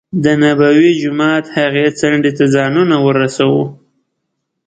دنبوي جومات هغې څنډې ته ځانونه ورسو.